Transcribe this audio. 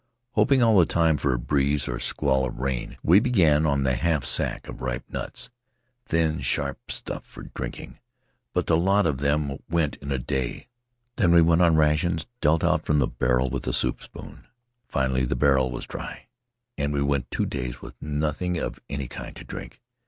Hoping all the time for a breeze or a squall of rain, we began on the half sack of ripe nuts — thin, sharp Aboard the Potii Ravarava stuff for drinking, but the lot of them went in a day. Then we went on rations, dealt out from the barrel with a soup spoon. Finally the barrel was dry, and we went two days with nothing of any kind to drink.